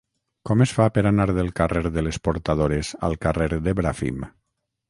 Com es fa per anar del carrer de les Portadores al carrer de Bràfim?